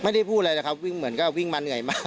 ไม่ได้พูดอะไรนะครับวิ่งเหมือนก็วิ่งมาเหนื่อยมาก